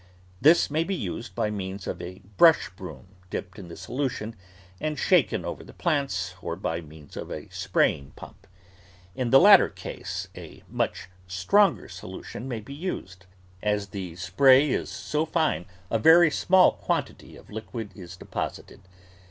This may be used by means of a brush broom dipped in the solution and shaken over the plants or by means of a spraying pump ; in the latter case a much stronger solution may be used, as the spray is so fine a very small quantity of liquid is de posited.